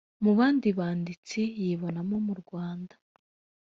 Mu bandi banditsi yibonamo mu Rwanda